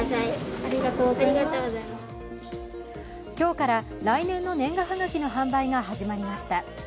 今日から来年の年賀はがきの販売が始まりました。